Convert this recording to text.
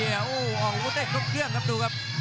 อย่าหลวนนะครับที่เตือนทางด้านยอดปรับศึกครับ